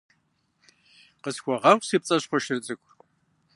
Къысхуэгъэгъу, си пцӀащхъуэ шыр цӀыкӀу.